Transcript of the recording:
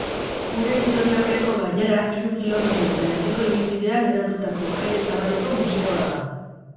Gure historiaurreko bailara hiru kilometro eta erdiko ibilbidean hedatutako aire zabaleko museoa da.